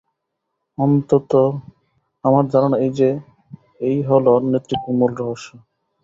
অন্তত আমার ধারণা এই যে, এই হল নেতৃত্বের মূল রহস্য।